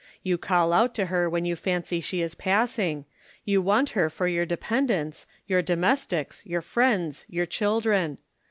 You call out to her when you fancy she is passing ; you want her for your dependants, your domestics, your friends, your children.